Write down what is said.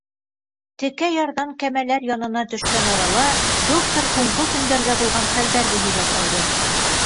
Текә ярҙан кәмәләр янына төшкән арала доктор һуңғы көндәрҙә булған хәлдәрҙе һөйләп алды.